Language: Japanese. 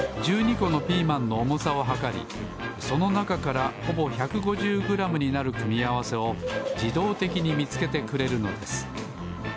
このピーマンのおもさをはかりそのなかからほぼ１５０グラムになる組み合わせをじどうてきにみつけてくれるのです。